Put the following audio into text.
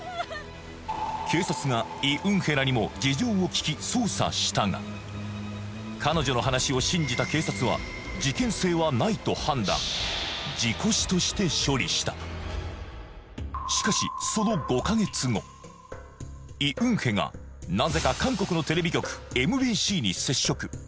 警察がイ・ウンヘらにも事情を聴き捜査したが彼女の話を信じた警察は事件性はないと判断事故死として処理したしかしその５か月後イ・ウンヘがなぜか韓国のテレビ局ＭＢＣに接触